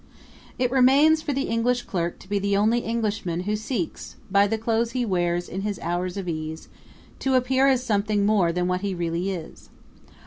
It remains for the English clerk to be the only Englishman who seeks, by the clothes he wears in his hours of ease, to appear as something more than what he really is.